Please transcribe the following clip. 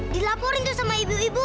dilaporin tuh sama ibu ibu